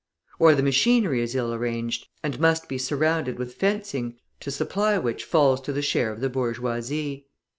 Or the machinery is ill arranged, and must be surrounded with fencing, to supply which falls to the share of the bourgeoisie.